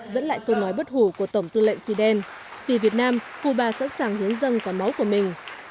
dẫn lại câu nói bất hủ của tổng tư lệnh fidel vì việt nam cuba sẵn sàng hiến dâng quả máu của mình